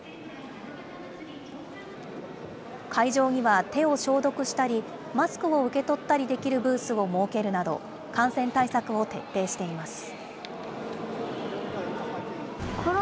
会場には手を消毒したり、マスクを受け取ったりできるブースを設けるなど、感染対策を徹底しています。